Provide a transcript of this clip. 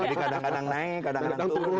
jadi kadang kadang naik kadang kadang turun